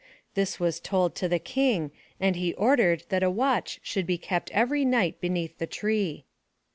This was told to the King and he ordered that a watch should be kept every night beneath the tree.